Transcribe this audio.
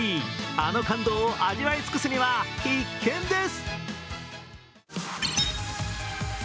あの感動を味わい尽くすには必見です。